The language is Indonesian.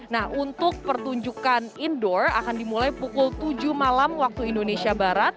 nah untuk pertunjukan indoor akan dimulai pukul tujuh malam waktu indonesia barat